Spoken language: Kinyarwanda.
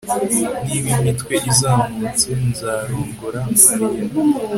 niba imitwe izamutse, nzarongora marie